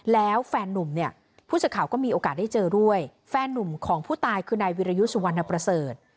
แล้วแฟนนุ่มเนี่ยผู้สื่อข่าวก็มีโอกาสได้เจอด้วยแฟนนุ่มของผู้ตายคือนายวิรยุสุวรรณประเสริฐ